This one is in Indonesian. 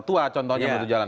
tua contohnya menurut jalan